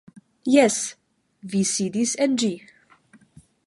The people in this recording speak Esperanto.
Jes; vi sidis en ĝi.